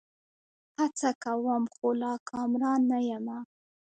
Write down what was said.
هڅه کوم؛ خو لا کامران نه یمه